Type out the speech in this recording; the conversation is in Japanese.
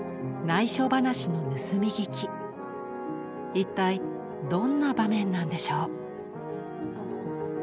一体どんな場面なんでしょう？